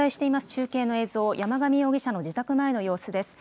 中継の映像、山上容疑者の自宅前の様子です。